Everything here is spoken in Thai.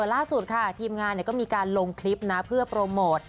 ล่าสุดค่ะทีมงานก็มีการลงคลิปนะเพื่อโปรโมท